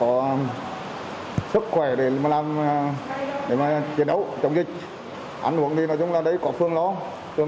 công tác gìn thought mhire tãy tạo phần chỉ huy như địa tương tuyên nhân kinh học